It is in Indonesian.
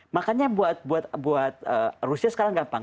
makanya buat rusia sekarang gampang